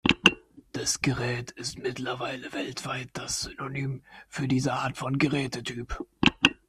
Das Gerät ist mittlerweile weltweit das Synonym für diese Art von Gerätetyp.